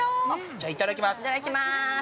◆じゃあ、いただきます。